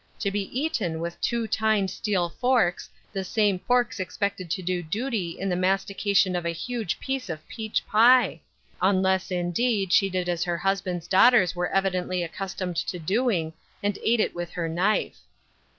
to be eaten with two tined steel forks, the same forks expected to do duty in the mastication of a huge piece of peach pie !— unless, indeed, she did as her husband's daughters were evidently accustomed to doing, and ate it with her knife.